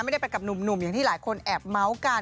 ไม่ได้ไปกับหนุ่มอย่างที่หลายคนแอบเม้ากัน